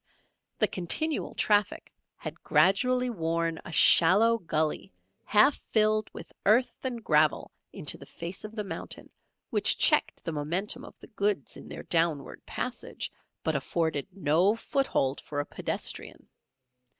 The continual traffic had gradually worn a shallow gulley half filled with earth and gravel into the face of the mountain which checked the momentum of the goods in their downward passage, but afforded no foothold for a pedestrian.